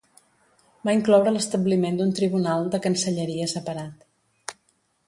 Va incloure l'establiment d'un tribunal de cancelleria separat.